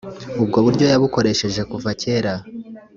ubwo buryo yabukoresheje kuva kera